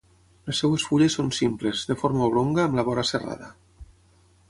Les seves fulles són simples, de forma oblonga amb la vora serrada.